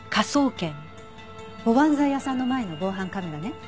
おばんざい屋さんの前の防犯カメラね。